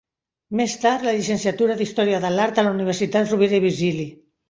Més tard, la llicenciatura d’Història de l’Art a la Universitat Rovira i Virgili.